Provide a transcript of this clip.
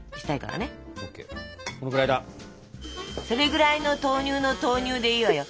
それぐらいの豆乳の投入でいいわよ。